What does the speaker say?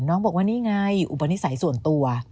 น้องบอกว่านี่ไงอุปนิสัยส่วนตัว